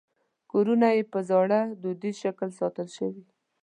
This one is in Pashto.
کورونه یې په زاړه دودیز شکل ساتل شوي.